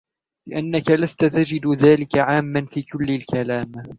لِأَنَّك لَسْت تَجِدُ ذَلِكَ عَامًّا فِي كُلِّ الْكَلَامِ